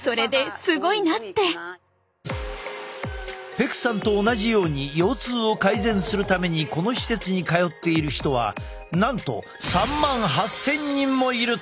ペクさんと同じように腰痛を改善するためにこの施設に通っている人はなんと３万８，０００人もいるという！